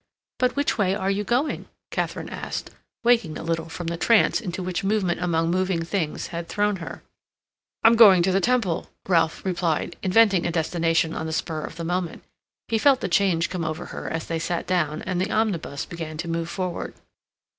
"But which way are you going?" Katharine asked, waking a little from the trance into which movement among moving things had thrown her. "I'm going to the Temple," Ralph replied, inventing a destination on the spur of the moment. He felt the change come over her as they sat down and the omnibus began to move forward.